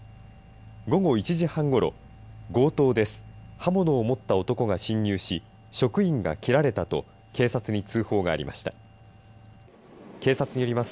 午後１時半ごろ強盗です。